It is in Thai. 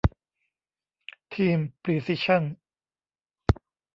ทีมพรีซิชั่น